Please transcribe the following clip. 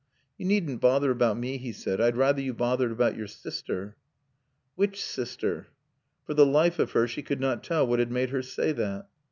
"You needn't bother about me," he said. "I'd rather you bothered about your sister." "Which sister?" For the life of her she could not tell what had made her say that.